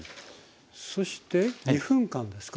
そして２分間ですか？